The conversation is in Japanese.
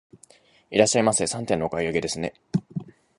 いらっしゃいませ、三点のお買い上げですね。